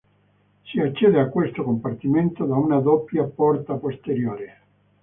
Si accede a questo compartimento da una doppia porta posteriore.